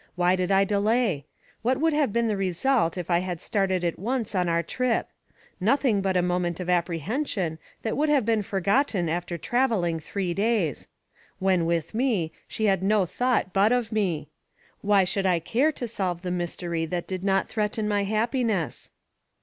Why did I delay? What would have been the result if I had started at once on our trip? Nothing but a moment of apprehension that would have been forgotten after traveling three days. When with me, she had no thought but of me; why should I care to solve the mystery that did not threaten my happiness?